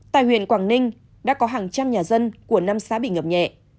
tại huyện quảng ninh đã có hàng trăm nhà dân của năm xã bị ngập nhẹ